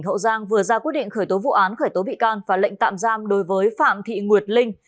hậu giang vừa ra quyết định khởi tố vụ án khởi tố bị can và lệnh tạm giam đối với phạm thị nguyệt linh